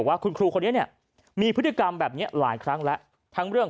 ว่าคุณครูคนนี้เนี่ยมีพฤติกรรมแบบนี้หลายครั้งแล้วทั้งเรื่อง